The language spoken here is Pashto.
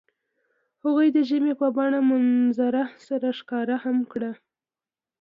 هغوی د ژمنې په بڼه منظر سره ښکاره هم کړه.